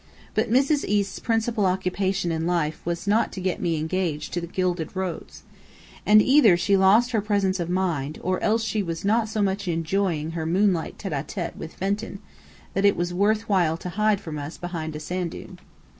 But Mrs. East's principal occupation in life was not to get me engaged to the Gilded Rose. And either she lost her presence of mind, or else she was not so much enjoying her moonlight tête à tête with Fenton, that it was worth while to hide from us behind a sand dune.